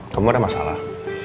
kamu ada masalah